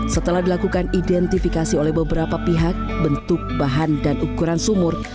setelah dilakukan identifikasi oleh beberapa pihak bentuk bahan dan ukuran sumur